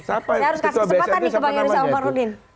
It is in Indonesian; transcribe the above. saya harus kasih kesempatan nih ke bang yoris almarudin